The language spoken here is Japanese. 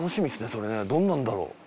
それねどんなんだろう。